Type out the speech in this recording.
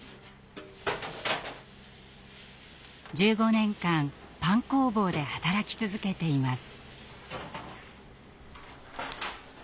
１５年間パン工房で働き続けています。